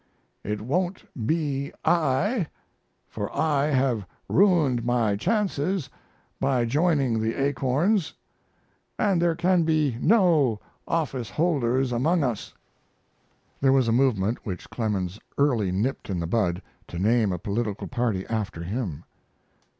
It won't be I, for I have ruined my chances by joining the Acorns, and there can be no office holders among us. There was a movement which Clemens early nipped in the bud to name a political party after him.